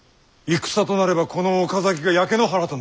戦となればこの岡崎が焼け野原となろう。